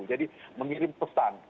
jadi mengirim pesan